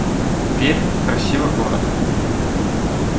Пермь — красивый город